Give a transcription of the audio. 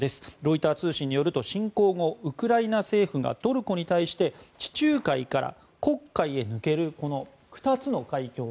ロイター通信によると侵攻後、ウクライナ政府がトルコに対して地中海から黒海へ抜ける２つの海峡